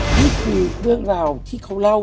นี่คือเรื่องราวที่เขาเล่า